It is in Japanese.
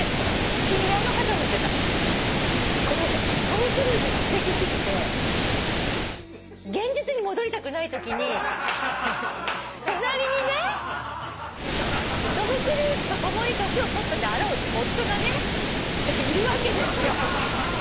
トム・クルーズがすてき過ぎて現実に戻りたくないときに隣にねトム・クルーズと共に年を取ったであろう夫がねいるわけですよ。